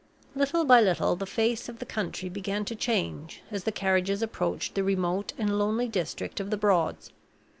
Little by little the face of the country began to change as the carriages approached the remote and lonely district of the Broads.